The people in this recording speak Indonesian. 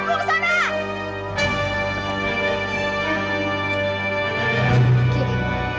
kabur ke sana